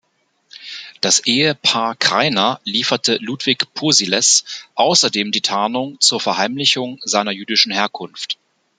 Das Ehepaar Kreiner lieferte Ludwig Posiles außerdem die Tarnung zur Verheimlichung seiner jüdischen Herkunft.